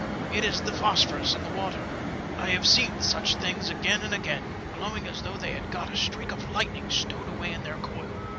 It is the phosphorus in the water. I have seen such things again and again, glowing as though they had got a streak of lightning stowed away in their coil.'